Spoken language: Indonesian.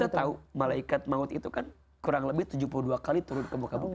dan kita tahu malaikat maut itu kan kurang lebih tujuh puluh dua kali turun ke muka bumi